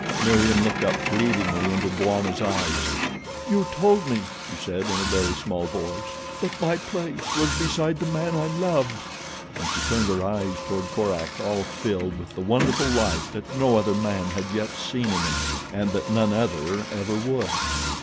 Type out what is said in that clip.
Meriem looked up pleadingly into Bwana's eyes. "You told me," she said, in a very small voice, "that my place was beside the man I loved," and she turned her eyes toward Korak all filled with the wonderful light that no other man had yet seen in them, and that none other ever would.